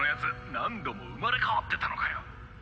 何度も生まれ変わってたのかよ。